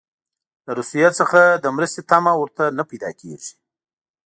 له روسیې څخه د مرستې تمه ورته نه پیدا کیږي.